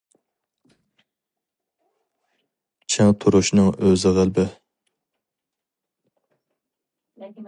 چىڭ تۇرۇشنىڭ ئۆزى غەلىبە.